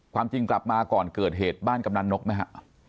ความจริงกลับมาก่อนเกิดเหตุบ้านกำนันนกไหมฮะ